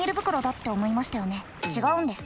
違うんです。